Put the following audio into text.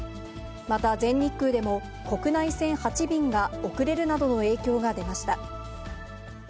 また全日空でも、国内線８便が遅れるなどの影響が出ました。